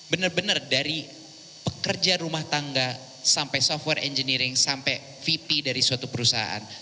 benar benar dari pekerja rumah tangga sampai software engineering sampai vp dari suatu perusahaan